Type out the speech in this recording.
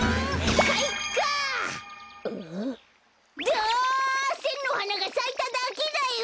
だあせんのはながさいただけだよ！